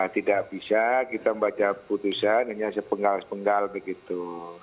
tidak bisa kita membaca putusan hanya sepenggal penggal begitu